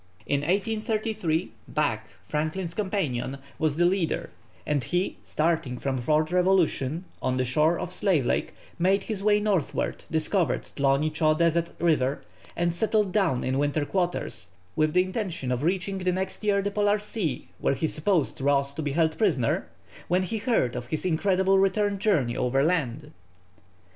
In 1833 Back, Franklin's companion, was the leader, and he starting from Fort Revolution, on the shore of Slave Lake, made his way northwards, discovered Thloni Tcho Deseth River, and settled down in winter quarters, with the intention of reaching the next year the Polar Sea, where he supposed Ross to be held prisoner, when he heard of his incredible return journey overland.